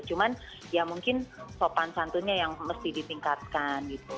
cuman ya mungkin sopan santunnya yang mesti ditingkatkan gitu